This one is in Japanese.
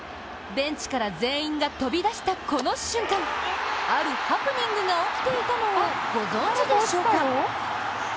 ベンチから全員が飛び出したこの瞬間、あるハプニングが起きていたのをご存じでしょうか？